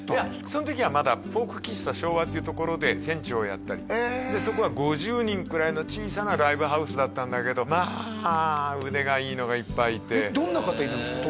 その時はまだフォーク喫茶照和っていうところで店長をやったりでそこは５０人くらいの小さなライブハウスだったんだけどまあ腕がいいのがいっぱいいてどんな方いるんですか？